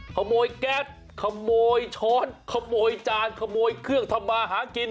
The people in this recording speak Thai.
แก๊สขโมยช้อนขโมยจานขโมยเครื่องทำมาหากิน